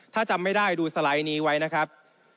ถ้าจำไม่ได้ดูสไลด์นี้ไว้นะครับ